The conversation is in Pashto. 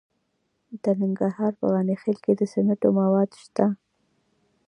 د ننګرهار په غني خیل کې د سمنټو مواد شته.